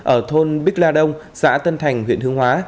ở thôn bích la đông xã tân thành huyện hương hóa